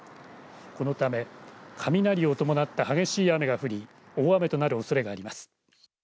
このため雷を伴った激しい雨が降り大雨となるおそれがあります。